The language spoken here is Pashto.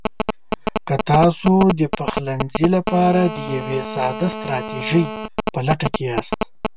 که تاسو د پخلنځي لپاره د یوې ساده ستراتیژۍ په لټه کې یاست: